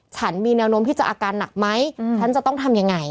ฉันมีแนวโน้มที่จะอาการหนักไหมฉันจะต้องทำยังไง